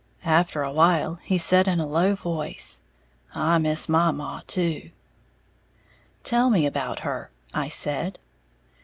After a while he said, in a low voice, "I miss my maw, too." "Tell me about her," I said.